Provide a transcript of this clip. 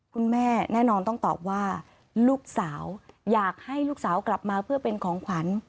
คุณแม่แน่นอนต้องตอบว่าลูกสาวอยากให้ลูกสาวกลับมาเพื่อเป็นของขวัญ